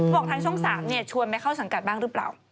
บอกทางช่อง๓ชวนไปเข้าสังกัดบ้างหรือเปล่า